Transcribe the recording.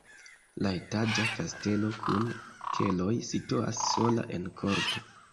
La etaĝa kastelo kun keloj situas sola en korto.